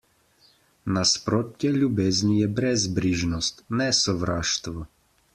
Nasprotje ljubezni je brezbrižnost, ne sovraštvo.